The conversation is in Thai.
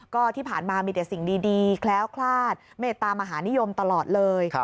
ก็ที่ผ่านมามีแต่สิ่งดีแคล้วคลาดเมตตามหานิยมตลอดเลย